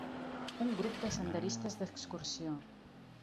Un grup de senderistes d'excursió.